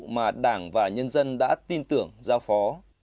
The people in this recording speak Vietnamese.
mà đảng và nhân dân đã tin tưởng giao phó